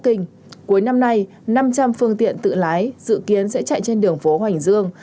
kinh cuối năm nay năm trăm linh phương tiện tự lái dự kiến sẽ chạy trên đường phố hoành dương